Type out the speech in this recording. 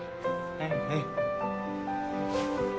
はいはい。